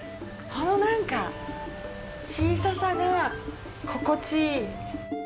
この、なんか小ささが心地いい。